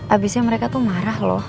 abisnya mereka tuh marah loh